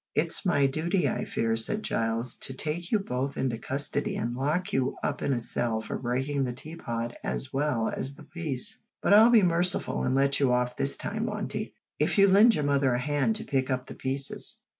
"It's my duty, I fear," said Giles, "to take you both into custody and lock you up in a cell for breaking the teapot as well as the peace, but I'll be merciful and let you off this time, Monty, if you lend your mother a hand to pick up the pieces."